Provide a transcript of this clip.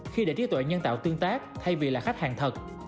khi để trí tuệ nhân tạo tương tác thay vì là khách hàng thật